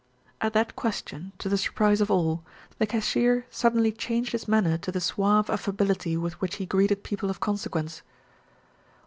At that question, to the surprise of all, the cashier suddenly changed his manner to the suave affability with which he greeted people of consequence.